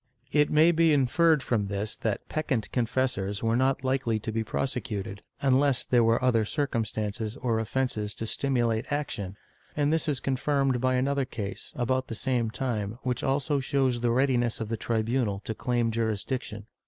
^ It may be inferred from this that peccant confessors were not likely to be prosecuted, unless there were other circumstances or offences to stimulate action, and this is confirmed by another case, about the same time, which also shows the readiness of the tribunal to claim jurisdiction.